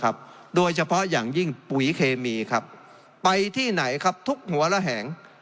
โดยเฉพาะอย่างยิ่งปุ๋ยเคมีครับไปที่ไหนครับทุกหัวระแหง